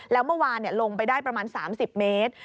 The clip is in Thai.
แล้วเมื่อวานลงไปได้ประมาณ๓๐เมตร